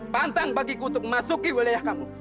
pantang bagiku untuk memasuki wilayah kamu